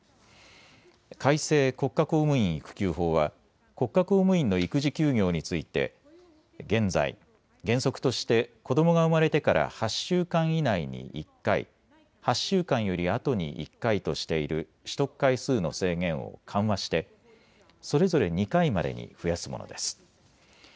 改正国家公務員育休法は国家公務員の育児休業について現在、原則として子どもが生まれてから８週間以内に１回、８週間よりあとに１回としている取得回数の制限を緩和してそれぞれ２回までに増やすものです。